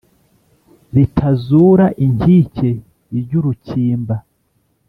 ritazura inkike iry’urukimba,